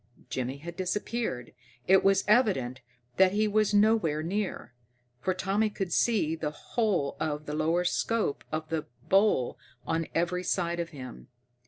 Jimmy had disappeared. It was evident that he was nowhere near, for Tommy could see the whole of the lower scope of the bowl on every side of him.